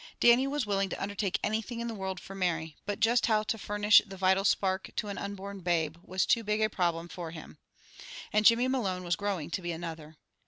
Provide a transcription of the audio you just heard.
Dannie was willing to undertake anything in the world for Mary, but just how to furnish the "vital spark," to an unborn babe, was too big a problem for him. And Jimmy Malone was growing to be another.